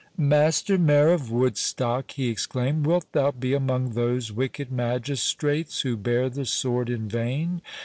"Master Mayor of Woodstock," he exclaimed, "wilt thou be among those wicked magistrates, who bear the sword in vain?